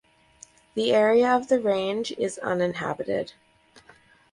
The area of the range is uninhabited.